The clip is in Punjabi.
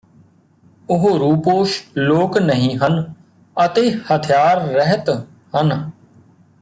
ਉਹ ਰੂਪੋਸ਼ ਲੋਕ ਨਹੀਂ ਹਨ ਅਤੇ ਹਥਿਆਰ ਰਹਿਤ ਹਨ